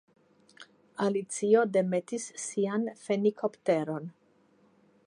Alicio demetis sian fenikopteron.